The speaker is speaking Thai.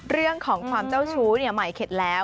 เรื่องของความเจ้าชู้ใหม่เข็ดแล้ว